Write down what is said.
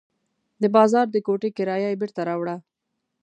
د بازار د کوټې کرایه یې بېرته راوړه.